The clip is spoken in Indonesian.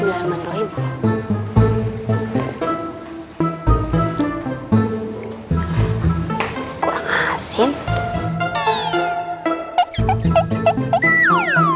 udah jadi cicipin dulu